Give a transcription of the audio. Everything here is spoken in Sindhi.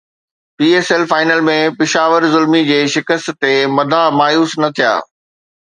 P S L final ۾ Peshawar Zalmi جي شڪست تي مداح مايوس نه ٿيا